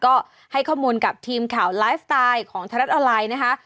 ก็ให้ข้อมูลกับทีมข่าวไลฟ์สไตล์ของทรัฐออนไลน์นะคะ